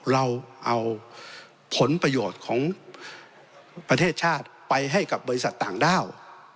เราเอาผลประโยชน์ของประเทศชาติไปให้กับบริษัทต่างด้าว